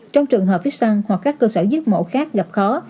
trong trường hợp vixxan hoặc các cơ sở giết mổ khác gặp khó